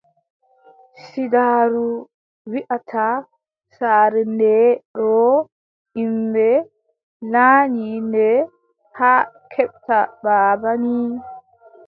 Siidaaru wiʼata, saare ndee ɗoo yimɓe laanyi nde, haa keɓta baaba nii,